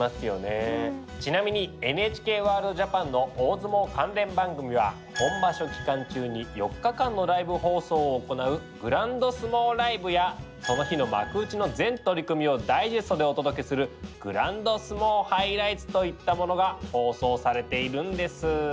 ちなみに「ＮＨＫワールドＪＡＰＡＮ」の大相撲関連番組は本場所期間中に４日間のライブ放送を行う「ＧＲＡＮＤＳＵＭＯＬＩＶＥ」やその日の幕内の全取組をダイジェストでお届けする「ＧＲＡＮＤＳＵＭＯＨｉｇｈｌｉｇｈｔｓ」といったものが放送されているんです。